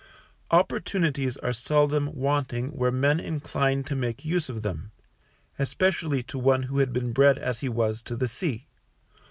Opportunities are seldom wanting where men incline to make use of diem; especially to one who had been bred as he was to the sea.